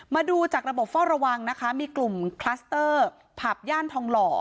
มาดูจากระบบเฝ้าระวังนะคะมีกลุ่มคลัสเตอร์ผับย่านทองหล่อ